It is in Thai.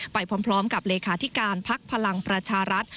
ไปพร้อมกับเลขาธิการพักพลังประชารัฐ